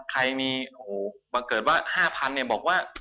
โชว์บังเกิดว่า๕๐๐๐บาทพี่เน็ตบอกว่า